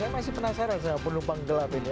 saya masih penasaran sama penumpang gelap ini